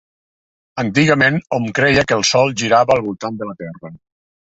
Antigament hom creia que el Sol girava al voltant de la Terra.